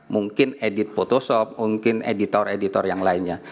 mungkin edit fotoshop mungkin editor editor yang lainnya